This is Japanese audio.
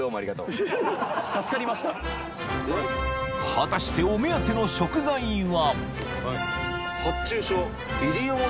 ［果たしてお目当ての食材は？］